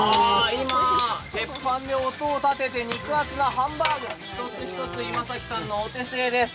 今鉄板で音を立てて肉厚なハンバーグ、１つ１つ、今崎さんのお手製です。